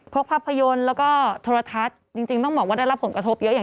ภาพยนตร์แล้วก็โทรทัศน์จริงต้องบอกว่าได้รับผลกระทบเยอะอย่าง